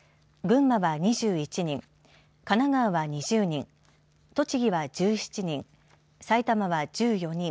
群馬は２１人神奈川は２０人栃木は１７人埼玉は１４人